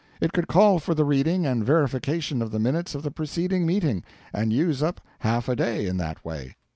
It could call for the reading and verification of the minutes of the preceding meeting, and use up half a day in that way.